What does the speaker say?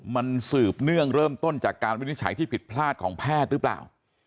มันสืบเนื่องเริ่มต้นจากการวินิจฉัยที่ผิดพลาดของแพทย์หรือเปล่า